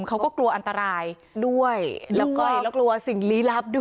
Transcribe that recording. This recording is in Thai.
เขาก็กลัวอันตรายด้วยแล้วก็แล้วกลัวสิ่งลี้ลับด้วย